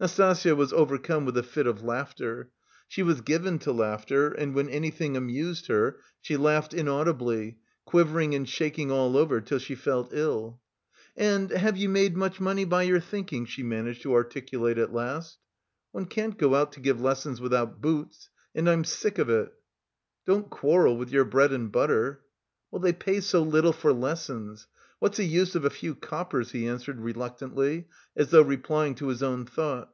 Nastasya was overcome with a fit of laughter. She was given to laughter and when anything amused her, she laughed inaudibly, quivering and shaking all over till she felt ill. "And have you made much money by your thinking?" she managed to articulate at last. "One can't go out to give lessons without boots. And I'm sick of it." "Don't quarrel with your bread and butter." "They pay so little for lessons. What's the use of a few coppers?" he answered, reluctantly, as though replying to his own thought.